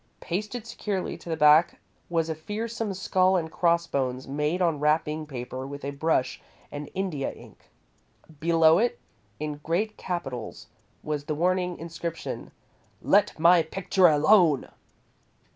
Pasted securely to the back was a fearsome skull and cross bones, made on wrapping paper with a brush and India ink. Below it, in great capitals, was the warning inscription: "LET MY PICTURE ALONE!"